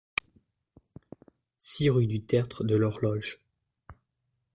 six rue du Tertre de l'Horloge